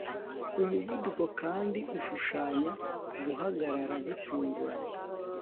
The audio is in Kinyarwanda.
umuvuduko kandi ushushanya guhagarara gitunguranye